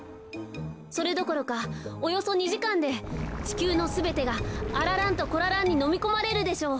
それどころかおよそ２じかんでちきゅうのすべてがあら蘭とこら蘭にのみこまれるでしょう。